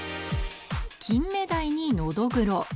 キンメダイにノドグロ。